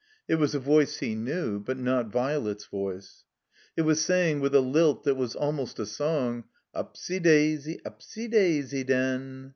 It was a voice he knew, but not Violet's voice. It was saying, with a lilt that was almost a song, Upsy daisy, upsy daisy, den!"